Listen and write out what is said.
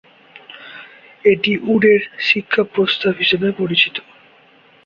এটি উড-এর শিক্ষা প্রস্তাব হিসাবে পরিচিত।